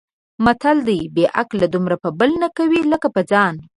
متل دی: بې عقل دومره په بل نه کوي لکه په ځان.